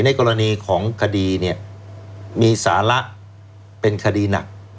ในกรณีของคดีเนี่ยมีสาระเป็นคดีหนัก